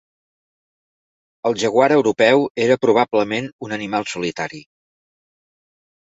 El jaguar europeu era probablement un animal solitari.